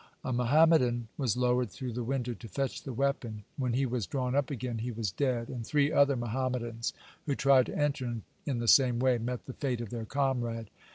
A Mohammedan was lowered through the window to fetch the weapon. When he was drawn up again, he was dead, and three other Mohammedans who tried to enter in the same way met the fate of their comrade.